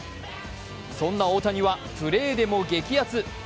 そんな大谷はプレーでも激アツ。